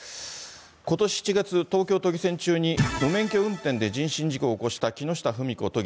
ことし７月、東京都議選中に、無免許運転で人身事故を起こした木下富美子都議。